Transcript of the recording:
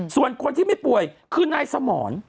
ส่วนคนที่ไม่ป่วยคือนายสมร